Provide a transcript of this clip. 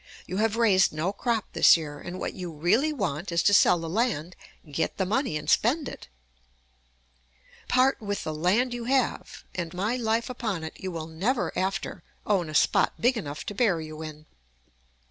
You have raised no crop this year, and what you really want is to sell the land, get the money, and spend it. Part with the land you have, and, my life upon it, you will never after own a spot big enough to bury you in.